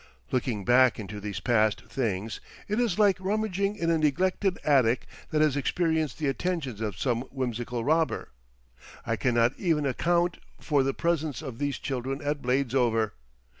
Looking back into these past things—it is like rummaging in a neglected attic that has experienced the attentions of some whimsical robber—I cannot even account for the presence of these children at Bladesover.